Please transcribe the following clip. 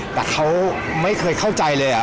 แต่เขาไม่เคยเข้าใจเลย